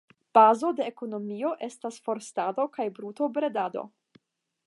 Bazo de ekonomio estis forstado kaj brutobredado.